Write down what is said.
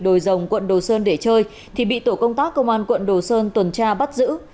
đồi dòng quận đồ sơn để chơi thì bị tổ công tác công an quận đồ sơn tuần tra bắt giữ